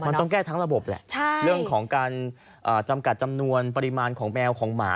มันต้องแก้ทั้งระบบแหละเรื่องของการจำกัดจำนวนปริมาณของแมวของหมา